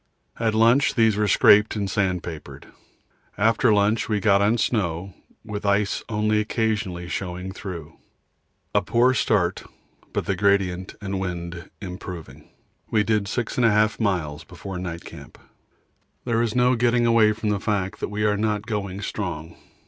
At lunch these were scraped and sand papered. After lunch we got on snow, with ice only occasionally showing through. A poor start, but the gradient and wind improving, we did 6 1/2 miles before night camp. There is no getting away from the fact that we are not going strong.